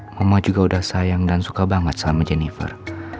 mama juga udah sayang dan suka banget sama jennifer